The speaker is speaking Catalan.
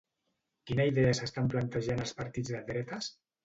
Quina idea s'estan plantejant els partits de dretes?